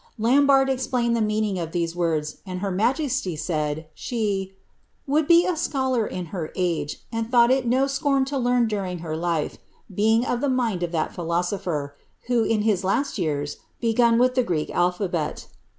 Lambarde explained the meaning of these words, and her majesty said she ^^ would be a scholar in her age, and thought it no scorn to learn during her life, being of the mind of that philosopher, who, in his last years, begun with the Greek alphabet."